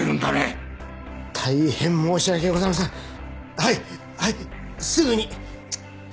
会長大変申し訳ございません。